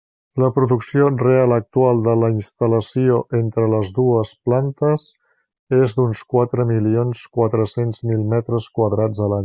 La producció real actual de la instal·lació entre les dues plantes és d'uns quatre milions quatre-cents mil metres quadrats a l'any.